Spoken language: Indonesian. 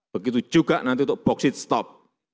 begitu juga nanti untuk boksit stop